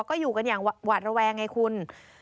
ก็อยู่กันอย่างหวาดระแวงไงคุณ